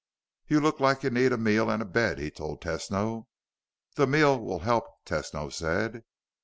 "You look like you need a meal and a bed," he told Tesno. "The meal will help," Tesno said.